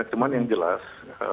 cuman yang jelas